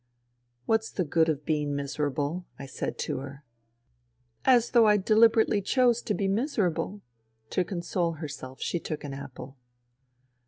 " What's the good of being miserable ?'* I said to her. " As though I deliberately chose to be miserable I To console herself, she took an apple.